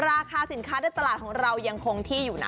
ราคาสินค้าในตลาดของเรายังคงที่อยู่นะ